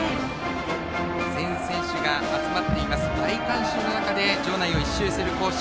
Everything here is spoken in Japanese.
全選手が集まっています大観衆の中で場内を１周する行進